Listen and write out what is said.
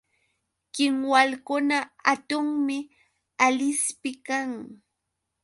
Kinwalkuna hatunmi Alispi kan.